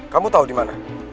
kamu tahu dimana